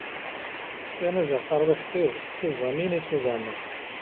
Ssanazeɣ tarwiḥt-iw s tuẓamin i ttuẓumeɣ.